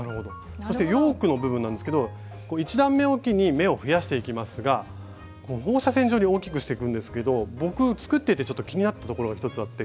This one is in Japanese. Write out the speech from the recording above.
そしてヨークの部分なんですけど１段めおきに目を増やしていきますが放射線状に大きくしていくんですけど僕作っててちょっと気になったところが一つあって。